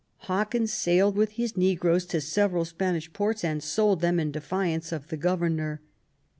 Hawkins sailed with his negroes to several Spanish ports and sold them in defiance of the Governor.